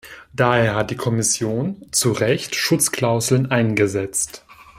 Daher hat die Kommission zu Recht Schutzklauseln eingesetzt.